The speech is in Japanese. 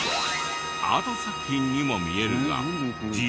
アート作品にも見えるが実は。